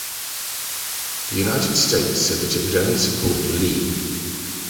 The United States said that it would only support Lie.